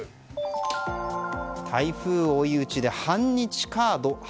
台風追い打ちで反日カード？。